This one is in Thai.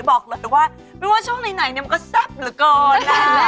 บอกเลยว่าไม่ว่าช่วงหน่อยมันก็ซับหรือก็น่ะ